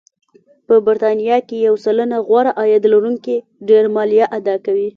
په بریتانیا کې یو سلنه غوره عاید لرونکي ډېره مالیه اداکوي